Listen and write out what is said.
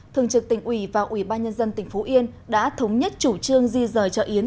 thường trực tỉnh ủy và ủy ban nhân dân tỉnh phú yên đã thống nhất chủ trương di rời chợ yến